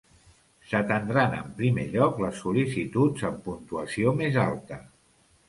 S'atendran en primer lloc les sol·licituds amb puntuació més alta.